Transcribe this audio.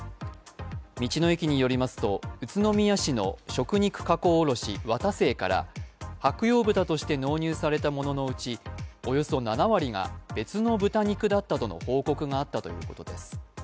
道の駅によりますと、宇都宮市の食肉加工卸・渡清から白楊豚として納入されたもののうちおよそ７割が別の豚肉だったとの報告があったということです。